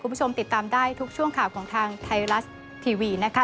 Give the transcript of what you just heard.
คุณผู้ชมติดตามได้ทุกช่วงข่าวของทางไทยรัฐทีวีนะคะ